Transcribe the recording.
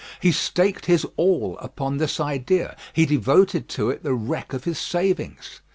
He staked his all upon this idea; he devoted to it the wreck of his savings.